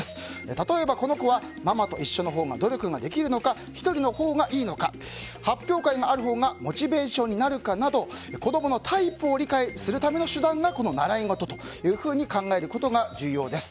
例えばこの子はママと一緒のほうが努力ができるのか１人のほうがいいのか発表会があるのがモチベーションになるかなど子供のタイプを理解するための手段が習い事と考えることが重要です。